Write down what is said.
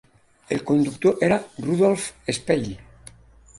El conductor era Rudolph Speil.